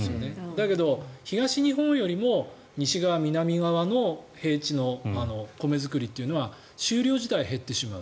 だけど、東日本よりも西側、南側の平地の米作りは収量自体、減ってしまう。